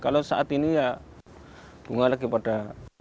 kalau saat ini ya bunga lagi pada